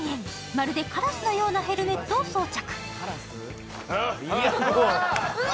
まるでカラスのようなヘルメットを装着。